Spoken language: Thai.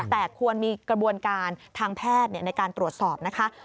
แต่ควรมีกระบวนการทางแพทย์ในการตรวจสอบนะคะ